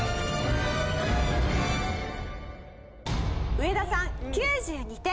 上田さん９２点。